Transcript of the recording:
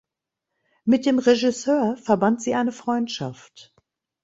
Mit dem Regisseur verband sie eine Freundschaft.